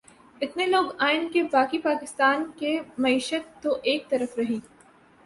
اتنے لوگ آئیں کہ باقی پاکستان کی معیشت تو ایک طرف رہی